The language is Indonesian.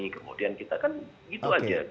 kemudian kita kan itu aja